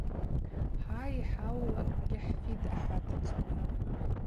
Хӏа йхӏаулакӏгьи хӏфитӏ, – ахӏватӏ ацгвы.